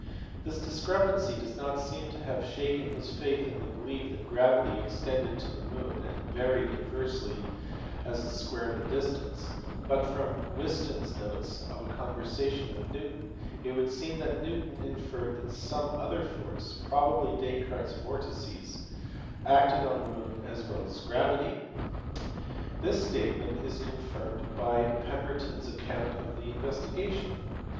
This discrepancy does not seem to have shaken his faith in the belief that gravity extended to the moon and varied in versely as the square of the distance ; but, from Whiston s * notes of a conversation with Newton, it would seem that Newton inferred that some other force probably Descartes s vortices acted on the moon as well as gravity. This state ment is confirmed by Pemberton s account of the investigation.